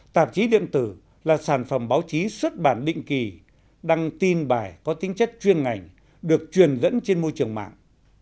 tạp chí điện tử là sản phẩm báo chí xuất bản định kỳ đăng tin bài có tính chất chuyên ngành được truyền dẫn trên môi trường mạng